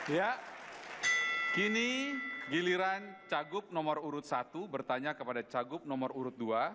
ya kini giliran cagup nomor urut satu bertanya kepada cagup nomor urut dua